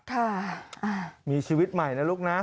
ค่ะมีชีวิตใหม่นะลูกนะ